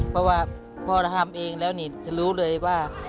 เพราะว่าพอเราทำเองแล้วนี่จะรู้เลยว่า